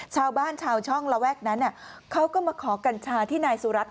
ชาวบ้านชาวช่องระแวกนั้นเขาก็มาขอกัญชาที่นายสุรัตน